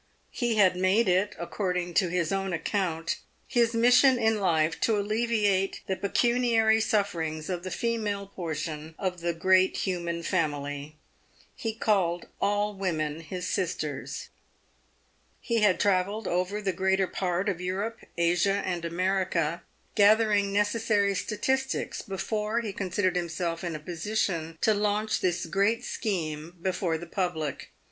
He had made it — according to his own account — his mission in life to alleviate the pecuniary sufferings of the female portion of the great human family. He called all women his sisters. He had travelled over the greater part of Europe, Asia, and America, gathering necessary statistics before he considered him self in a position to launch this great scheme before the public.